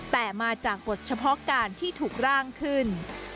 แต่มาจากบทเฉพาะการที่ถูกร่างขึ้น